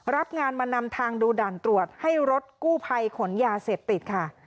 รับงานมานำทางดูด่านตรวจให้รถกู้ภัยขนยาเสพติดค่ะ